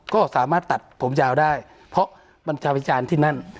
ก็สามารถตัดผมยาวได้เพราะบัญชาวิจารณ์ที่นั่น